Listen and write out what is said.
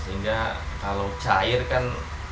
sehingga kalau cair kan